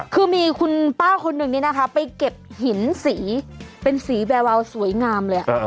คือมีคุณป้าคนหนึ่งนี่นะคะไปเก็บหินสีเป็นสีแวววาวสวยงามเลย